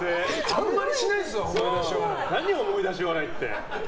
思い出し笑いって。